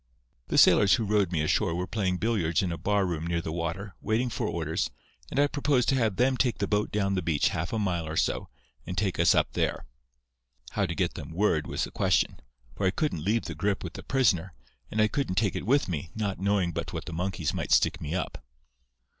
"The sailors who rowed me ashore were playing billiards in a bar room near the water, waiting for orders, and I proposed to have them take the boat down the beach half a mile or so, and take us up there. How to get them word was the question, for I couldn't leave the grip with the prisoner, and I couldn't take it with me, not knowing but what the monkeys might stick me up.